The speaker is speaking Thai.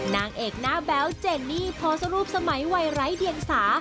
นางเอกหน้าแบ๊วเจนี่โพสต์รูปสมัยวัยไร้เดียงสา